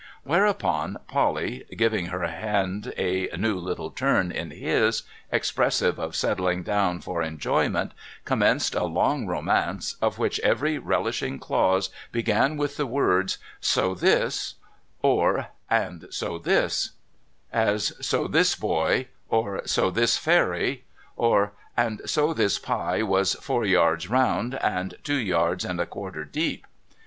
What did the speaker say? Whereupon Polly, giving her 440 MUGCY JUNCTION hand a new little turn in his, expressive of settling down for enjoy ment, commenced a long romance, of which every relishing clause began with the words :' So this,' or, ' And so this,' As, ' So this boy ;' or, * So this fairy ;' or, ' And so this pic was four yards round, and two yards and a quarter deep.'